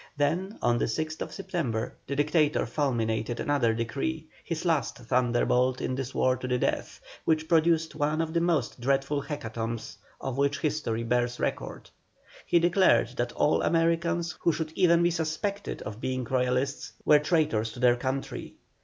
Then on the 6th September the Dictator fulminated another decree, his last thunderbolt in this war to the death, which produced one of the most dreadful hecatombs of which history bears record. He declared that all Americans who should even be suspected of being Royalists were traitors to their country.